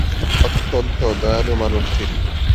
অত্যন্ত দয়ালু মানুষ তিনি।